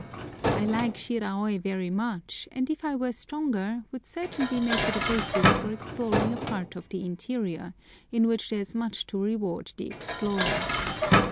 I like Shiraôi very much, and if I were stronger would certainly make it a basis for exploring a part of the interior, in which there is much to reward the explorer.